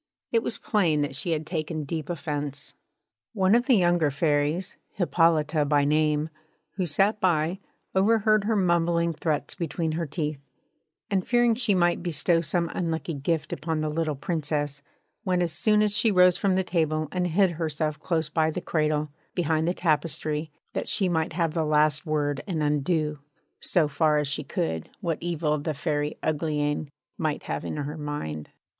It was plain that she had taken deep offence. One of the younger Fairies, Hippolyta by name, who sat by, overheard her mumbling threats between her teeth; and fearing she might bestow some unlucky gift upon the little Princess, went as soon as she rose from table and hid herself close by the cradle, behind the tapestry, that she might have the last word and undo, so far as she could, what evil the Fairy Uglyane might have in her mind.